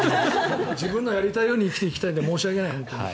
自分のやりたいように生きていきたいので申し訳ない、本当に。